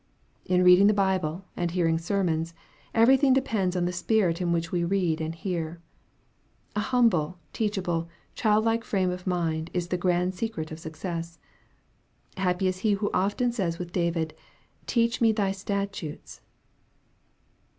In reading the Bible and hearing sermons, every thing depends on the spirit in which we read and hear. A humble, teachable, child like frame of mind is the grand secret of success. Happy is he who often says with David, " Teach me thy statutes."